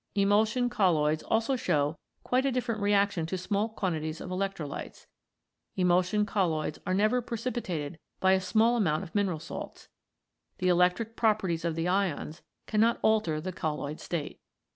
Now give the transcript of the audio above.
Emulsion colloids also show quite a different reaction to small quantities of electrolytes. Emulsion colloids are never precipitated by a small amount of mineral salts. The electric properties of the ions cannot alter the colloid state.